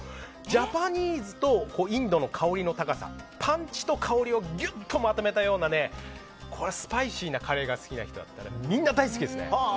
ジャパニーズとインドの香りの高さパンチと香りをぎゅっとまとめたようなスパイシーなカレーが好きな人だったらみんな大好きですね。